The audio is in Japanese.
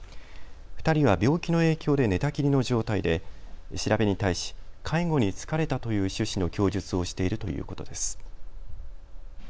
２人は病気の影響で寝たきりの状態で調べに対し介護に疲れたという趣旨の供述をしているということです。